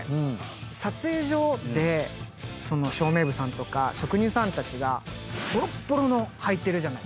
撮影所で照明部さんとか職人さんたちがぼろっぼろのはいてるじゃないですか。